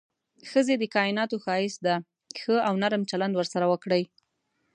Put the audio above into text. ښځې د کائناتو ښايست ده، ښه او نرم چلند ورسره وکړئ.